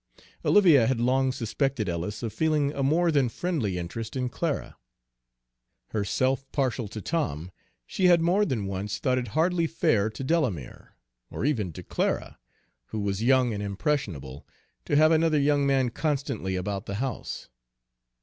Olivia had long suspected Ellis of feeling a more than friendly interest in Clara. Herself partial to Tom, she had more than once thought it hardly fair to Delamere, or even to Clara, who was young and impressionable, to have another young man constantly about the house.